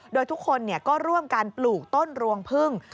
โดยทุกคนก็ร่วมกันปลูกต้นรวงพึ่ง